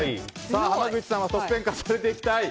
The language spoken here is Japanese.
濱口さんは得点を重ねていきたい。